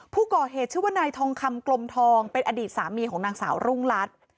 ผู้ก่อเหตุชื่อว่านายทองคำกลมทองเป็นอดีตสามีของนางสาวรุ่งรัฐ